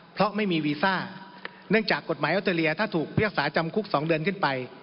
เพราะไม่มีวีซ่าเนื่องจากกฎหมายออสเตรเลียถ้าถูกพิพากษาจำคุก๒เดือนขึ้นไป